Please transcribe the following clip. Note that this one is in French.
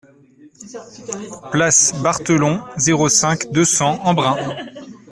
Place Barthelon, zéro cinq, deux cents Embrun